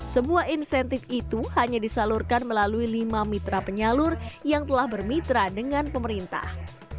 semua insentif itu hanya disalurkan melalui lima mitra penyalur yang telah bermitra dengan pemerintah